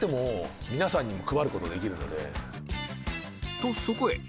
とそこへ